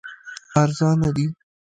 ارزانه دي.